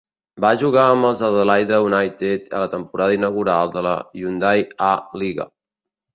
Va jugar amb els Adelaide United a la temporada inaugural de la Hyundai A-League.